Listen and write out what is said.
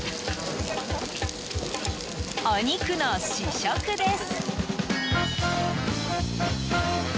お肉の試食です。